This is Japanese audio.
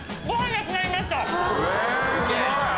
えすごい！